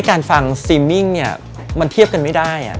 การฟังซีมมิ่งเนี่ยมันเทียบกันไม่ได้